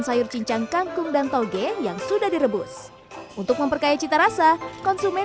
sayur cincang kangkung dan toge yang sudah direbus untuk memperkaya cita rasa konsumen